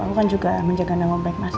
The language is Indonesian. aku kan juga menjaga nama baik mas